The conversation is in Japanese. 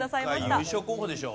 今回優勝候補でしょ。